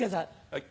はい。